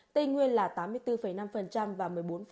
tây nguyên là tám mươi bốn năm và một mươi bốn